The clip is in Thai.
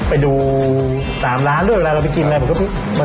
ไปดูตามร้านด้วยเดี๋ยวเราไปกินอะไร